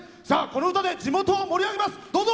この歌で地元を盛り上げます。